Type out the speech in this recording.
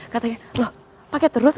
katanya loh pakai terus